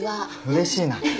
うれしいな。